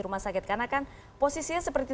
rumah sakit karena kan posisinya seperti